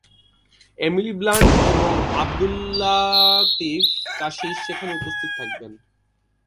Emily Blunt এবং আবদুল্লাতিফ কাশিশ সেখানে উপস্থিত থাকবেন।